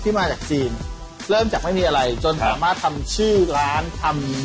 มาจากจีนเริ่มจากไม่มีอะไรจนสามารถทำชื่อร้านทำ